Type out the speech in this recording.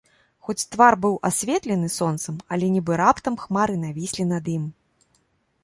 Хоць твар быў асветлены сонцам, але нібы раптам хмары навіслі над ім.